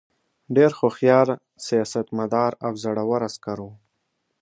ډېر هوښیار سیاستمدار او زړه ور عسکر وو.